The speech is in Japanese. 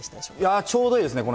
いやちょうどいいですね。